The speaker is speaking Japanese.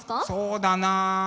そうだな。